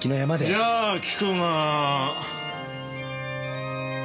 じゃあ聞くが。